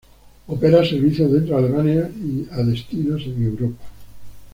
Opera servicios dentro de Alemania y a destinos en Europa.